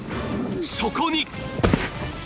［そこに］